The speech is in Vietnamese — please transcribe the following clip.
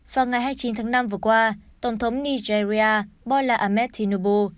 vào ngày hai mươi chín tháng năm vừa qua tổng thống nigeria bola ahmed tinobu